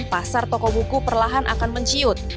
pasar toko buku perlahan akan menciut